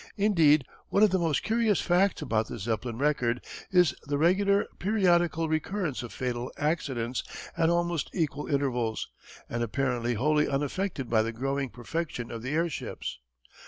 Indeed one of the most curious facts about the Zeppelin record is the regular, periodical recurrence of fatal accidents at almost equal intervals and apparently wholly unaffected by the growing perfection of the airships.